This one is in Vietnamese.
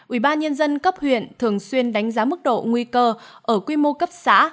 ủy ban nhân dân cấp huyện thường xuyên đánh giá mức độ nguy cơ ở quy mô cấp xã